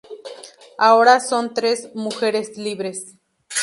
Ahora son tres mujeres libres.